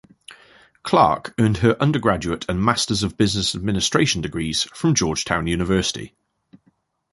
Clark earned her undergraduate and Masters of Business Administration degrees from Georgetown University.